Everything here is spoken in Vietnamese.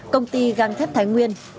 công ty găng thép thái nguyên